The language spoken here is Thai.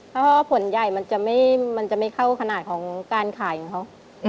เพราะว่าผลใหญ่มันจะไม่เข้าขนาดของการขายของเขา